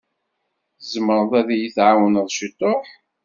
Tzemreḍ ad yi-tɛwawneḍ ciṭuḥ?